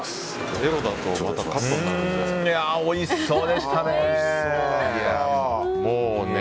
おいしそうでしたね。